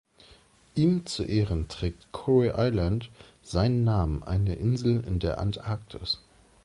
Ihm zu Ehren trägt Corry Island seinen Namen, eine Insel in der Antarktis.